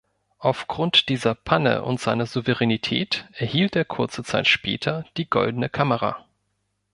Aufgrund dieser Panne und seiner Souveränität erhielt er kurze Zeit später die Goldene Kamera.